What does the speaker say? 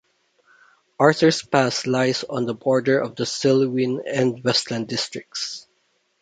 Arthur's Pass lies on the border of the Selwyn and Westland districts.